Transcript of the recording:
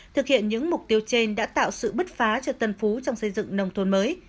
thực hiện những mục tiêu trên đã tạo sự bứt phá cho tân phú trong xây dựng nông thôn mới